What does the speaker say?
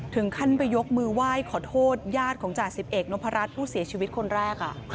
ถึงขั้นไปยกมือไหว้ขอโทษญาติของจ่าสิบเอกนพรัชผู้เสียชีวิตคนแรก